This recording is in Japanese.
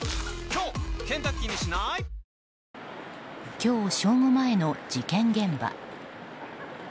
今日正午前の事件現場。